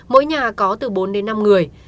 mỗi nhà có từ bốn đến năm người